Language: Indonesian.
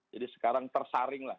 jadi sekarang tersaring lah